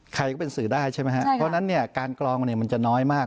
ใครก็เป็นสื่อได้ใช่ไหมครับเพราะฉะนั้นเนี่ยการกรองเนี่ยมันจะน้อยมาก